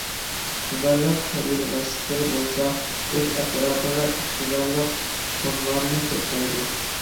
ئىقتىدارلىق قەبىلە باشلىقلىرى بولسا ئۆز ئەتراپىغا ئىقتىدارلىق ھونلارنى توپلايدۇ.